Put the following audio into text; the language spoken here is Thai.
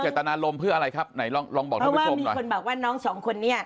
เจรตนารมณ์เพื่ออะไรครับไหนลองบอกทั้ง๒๐๒๑เพราะว่ามีคนบอกว่าน้องสองคนนี้